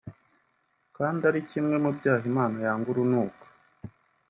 kandi ari kimwe mu byaha Imana yanga urunuka